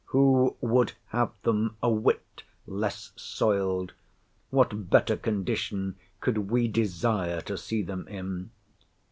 Who would have them a whit less soiled? What better condition could we desire to see them in?